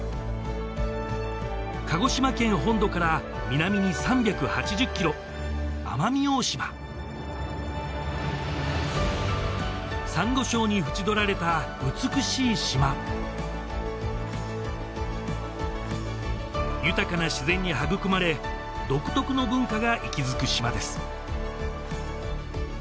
鹿児島県本土から南に３８０キロ奄美大島サンゴ礁に縁取られた美しい島豊かな自然に育まれ独特の文化が息づく島です